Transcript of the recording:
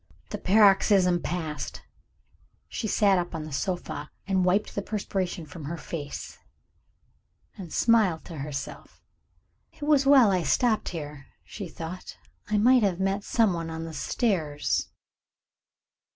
The paroxysm passed, she sat up on the sofa, and wiped the perspiration from her face, and smiled to herself. "It was well I stopped here," she thought; "I might have met someone on the stairs."